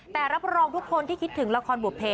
แต่รับรองทุกคนที่คิดถึงละครบุภเพ